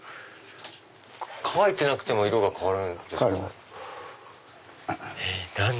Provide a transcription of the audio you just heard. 乾いてなくても変わるんですか？